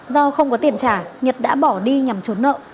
do không có tiền trả nhật đã bỏ đi nhằm trốn nợ